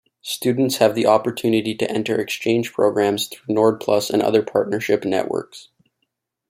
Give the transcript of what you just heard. Students have the opportunity to enter exchange programmes through Nordplus and other partnership networks.